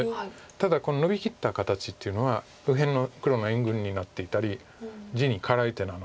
ただノビきった形というのは右辺の黒の援軍になっていたり地に辛い手なので。